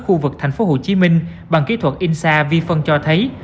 khu vực tp hcm bằng kỹ thuật insa vi phân cho thấy